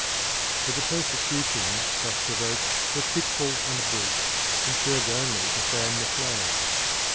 But the persecutions thus provoked were fitful and brief, and served only to fan the flame.